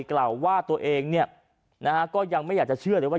กล่าวว่าตัวเองเนี่ยนะฮะก็ยังไม่อยากจะเชื่อเลยว่า